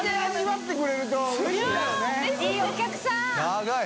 長い！